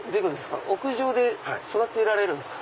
屋上で育てられるんですか？